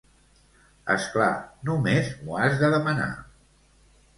És clar, només m'ho has de demanar.